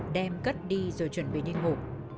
đêm cất đi rồi chuẩn bị đi ngủ